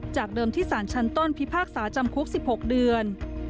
จากเดิมที่สารชั้นต้นพิพากษาจำคุก๑๖เดือน